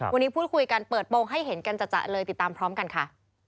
วันนี้พูดคุยกันเปิดโปรงให้เห็นกันจัดเลยติดตามพร้อมกันค่ะ